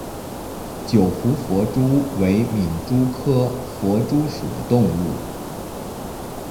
九湖弗蛛为皿蛛科弗蛛属的动物。